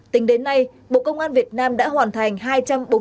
tính đến nay bộ công an việt nam đã hoàn thành